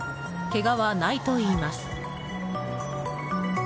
けがはないといいます。